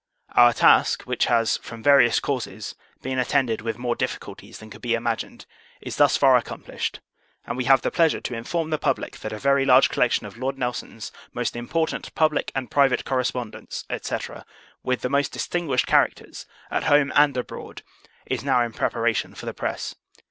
Our task, which has, from various causes, been attended with more difficulties than could be imagined, is thus far accomplished; and we have the pleasure to inform the public, that a very large collection of LORD NELSON'S most important public and private correspondence, &c. with the most distinguished characters (at home and abroad) is now in preparation for the press.